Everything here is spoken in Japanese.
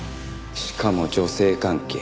しかも女性関係。